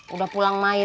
udah pulang main